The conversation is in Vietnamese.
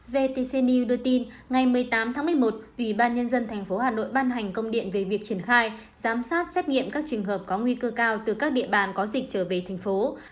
vtc news đưa tin ngày một mươi tám tháng một mươi một ubnd tp hà nội ban hành công điện về việc triển khai giám sát xét nghiệm các trường hợp có nguy cơ cao từ các địa bàn có dịch trở về thành phố